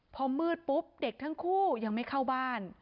พอมืดปุ๊บเด็กทั้งคู่ยังไม่เข้าบ้าน